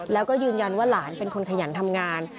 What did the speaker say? แล้วก็ยืนยันว่าหลานเป็นคนขยันทำงาน